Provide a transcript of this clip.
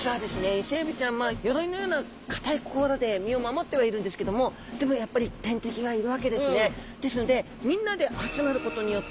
イセエビちゃん鎧のような硬い甲羅で身を守ってはいるんですけどもでもやっぱり天敵がいるわけですね。